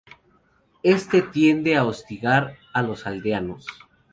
Éste tiende a hostigar a los aldeanos.